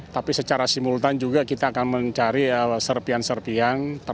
tapi secara simultan juga kita akan mencari serpian serpian